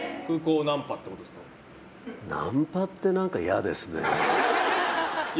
ナンパって何か嫌ですね。